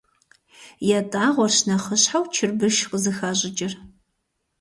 ЯтӀагъуэрщ нэхъыщхьэу чырбыш къызыхащӀыкӀыр.